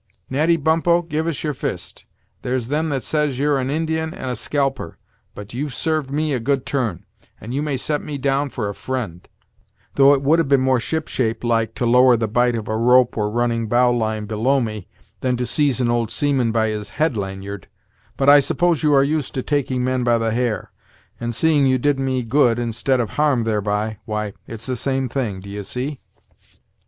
Natty Bumppo, give us your fist. There's them that says you're an Indian, and a scalper, but you've served me a good turn, and you may set me down for a friend; thof it would have been more ship shape like to lower the bight of a rope or running bowline below me, than to seize an old seaman by his head lanyard; but I suppose you are used to taking men by the hair, and seeing you did me good instead of harm thereby, why, it's the same thing, d'ye see?"